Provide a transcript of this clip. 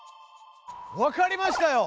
わかりましたよ！